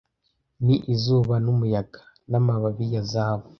Ni izuba n'umuyaga, n'amababi ya zahabu.